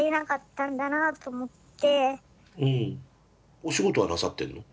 お仕事はなさってるの？